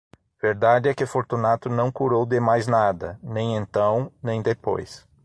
Verdade é que Fortunato não curou de mais nada, nem então, nem depois.